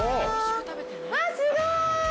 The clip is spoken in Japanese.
うわすごい！